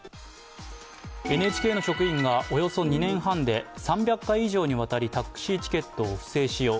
ＮＨＫの職員がおよそ２年半で３００回以上にわたりタクシーチケットを不正使用。